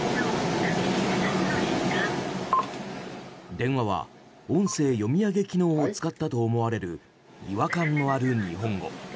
電話は音声読み上げ機能を使ったと思われる違和感のある日本語。